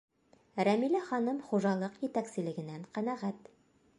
Рәмилә ханым хужалыҡ етәкселегенән ҡәнәғәт.